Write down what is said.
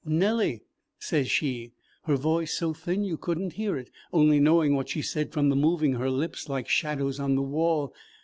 'Nellie,' sez she, her voice so thin you could n't hear it, only knowing what she said from the moving of her lips like shadows on the wall.